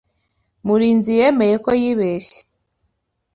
Murinzi yemeye ko yibeshye.